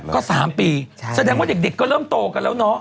ก็๓ปีแสดงว่าเด็กก็เริ่มโตกันแล้วเนาะ